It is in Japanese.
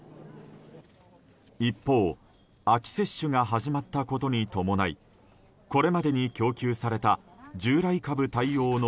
一方、秋接種が始まったことに伴いこれまでに供給された従来株対応の